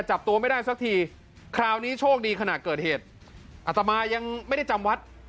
จับตัวไม่ได้สักทีคราวนี้โชคดีขณะเกิดเหตุอัตมายังไม่ได้จำวัด